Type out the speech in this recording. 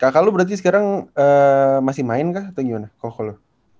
kakak lu berarti sekarang eee masih main kah atau gimana koko lu